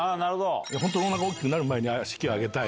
本当おなか大きくなる前に式を挙げたい。